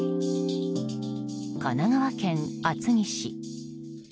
神奈川県厚木市